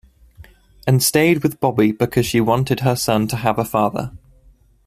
And stayed with Bobby because she wanted her son to have a father.